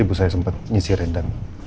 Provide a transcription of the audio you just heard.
ibu saya sempat nyisirin dan